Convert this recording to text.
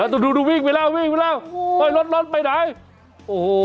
ดูดูวิ่งไปแล้ววิ่งไปแล้วโอ้ยรถรถไปไหนโอ้โห